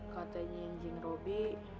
katanya cing robi